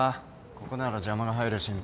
ここなら邪魔が入る心配もねえ。